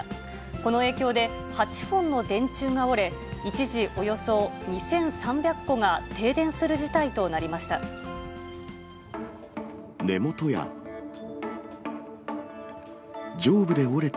この影響で、８本の電柱が折れ、一時およそ２３００戸が停電する事態となりました。